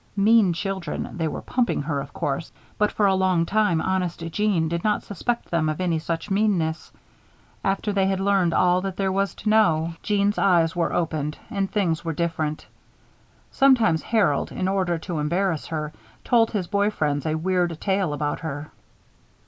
Mean children, they were pumping her, of course, but for a long time honest Jeanne did not suspect them of any such meanness. After they had learned all that there was to know, Jeanne's eyes were opened, and things were different. Sometimes Harold, in order to embarrass her, told his boy friends a weird tale about her.